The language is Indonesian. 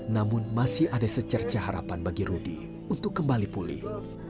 namun masih ada secerca harapan bagi rudy untuk kembali pulih